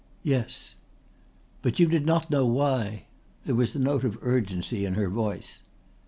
"Yes." "But you did not know why?" There was a note of urgency in her voice.